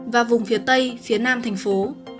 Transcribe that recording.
và vùng phía tây phía nam thành phố